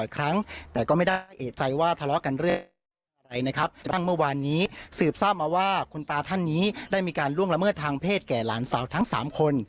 กับคุณตาท่านนี้ได้มีการล่วงละเมิดทางเพศแก่หลานสาวทั้ง๓คน